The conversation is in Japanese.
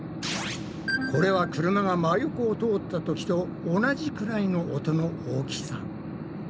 これは車が真横を通ったときと同じくらいの音の大きさ。